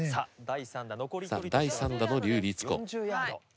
さあ第３打の笠りつ子。